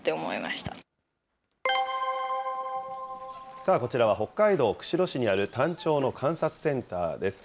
さあ、こちらは北海道釧路市にあるタンチョウの観察センターです。